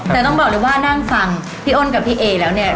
แต่ต้องบอกเลยว่านั่งฟังพี่อ้นกับพี่เอแล้วเนี่ย